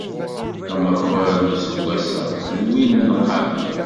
Amakar n useggwass-a, d win n qabel.